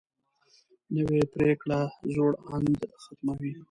نوې پریکړه زوړ اند ختموي